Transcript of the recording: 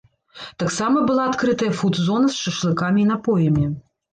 Таксама была адкрытая фуд-зона з шашлыкамі і напоямі.